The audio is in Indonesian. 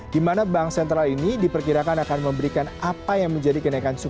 di mana bank sentral ini diperkirakan akan memberikan apa yang menjadi kenaikan suku bunga dua puluh lima basis point